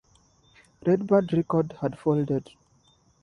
Red Bird Records had folded.